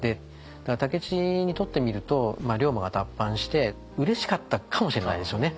武市にとってみると龍馬が脱藩してうれしかったかもしれないですよね。